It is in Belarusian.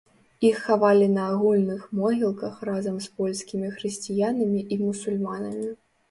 Іх хавалі на агульных могілках разам з польскімі хрысціянамі і мусульманамі.